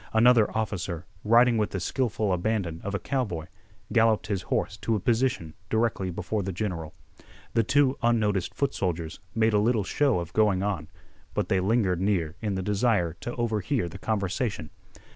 Another officer, riding with the skillful abandon of a cowboy, galloped his horse to a position directly before the general. The two unnoticed foot soldiers made a little show of going on, but they lingered near in the desire to overhear the conversation.